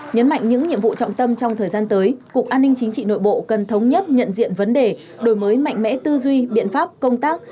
nhấn mạnh những nhiệm vụ trọng tâm trong thời gian tới cục an ninh chính trị nội bộ cần thống nhất nhận diện vấn đề đổi mới mạnh mẽ tư duy biện pháp công tác